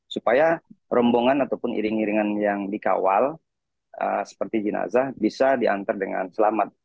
supaya rombongan ataupun iring iringan yang dikawal seperti jenazah bisa diantar dengan selamat